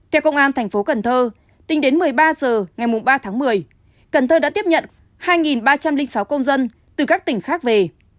theo công an tp cn tính đến một mươi ba h ngày ba một mươi cần thơ đã tiếp nhận hai ba trăm linh sáu công dân từ các tỉnh khác về